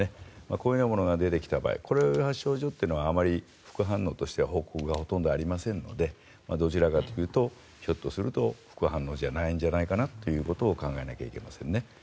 こういうようものが出てきた場合こういう症状というのはあまり副反応としては報告がほとんどありませんのでどちらかというとひょっとすると副反応なんじゃないかということを考えないといけないですね。